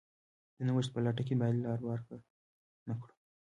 د نوښت په لټه کې باید لار ورکه نه کړو.